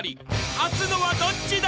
［勝つのはどっちだ⁉］